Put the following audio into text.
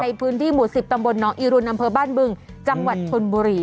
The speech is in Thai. ในพื้นที่หมู่๑๐ตำบลน้องอีรุนอำเภอบ้านบึงจังหวัดชนบุรี